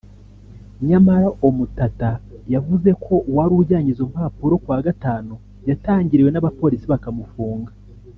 nyamara Omtatah yavuze ko uwari ujyanye izo mpapuro ku wa Gatanu yatangiriwe n’abapolisi bakamufunga